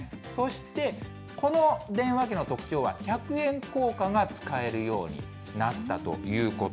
そして、この電話機の特徴は、百円硬貨が使えるようになったということ。